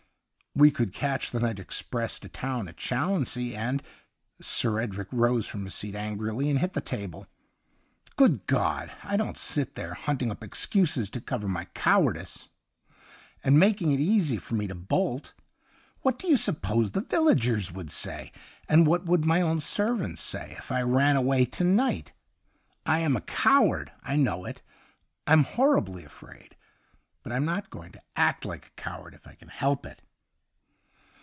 ' We could catch the night express to town at Challonsea, and ' Sir Edric rose from his seat angrily and hit the table. 158 THE UNDYING THING ' Good God ! don't sit there hunting up excuses to cover my cowardice, and making it easy for me to bolt. What do you suppose the villagers would say, and what would my own servants say, if I ran away to night ? I am a coward — I know it. I'm horribly afraid. But I'm not going to act like a coward if I can help it.'